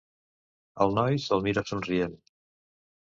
El noi se'l mira, somrient.